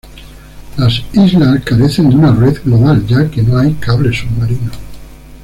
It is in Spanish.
Las islas carecen de una red global, ya que no hay cables submarinos.